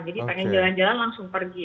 jadi pengen jalan jalan langsung pergi